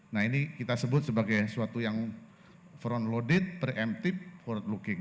nah ini kita sebut sebagai suatu yang front loded preemptive forward looking